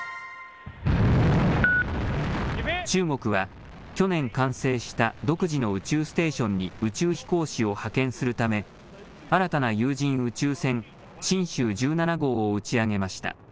中国は去年完成した独自の宇宙ステーションに宇宙飛行士を派遣するため新たな有人宇宙船神舟１７号を打ち上げました。